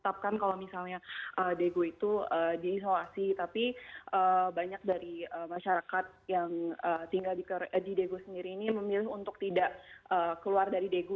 tapi kalau misalnya daegu itu diisolasi tapi banyak dari masyarakat yang tinggal di daegu sendiri ini memilih untuk tidak keluar dari daegu